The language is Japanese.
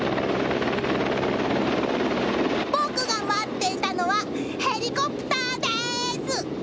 僕が待っていたのはヘリコプターです！